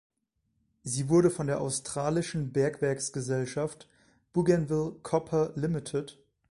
Sie wurde von der australischen Bergwerksgesellschaft Bougainville Copper Ltd.